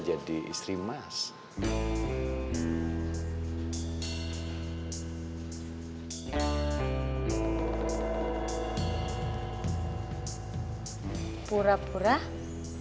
jadi dia berkenan untuk nemenin mas untuk pura pura jadi